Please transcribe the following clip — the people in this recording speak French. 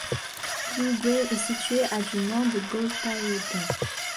Gougued est située à du nord de Golpayegan.